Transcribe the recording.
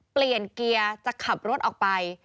เปลี่ยนเกียร์จะขับรถออกไป